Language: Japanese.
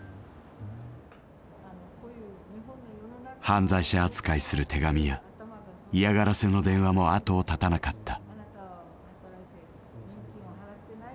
犯罪者扱いする手紙や嫌がらせの電話も後を絶たなかった。